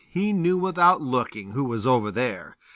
He knew without looking who was over there.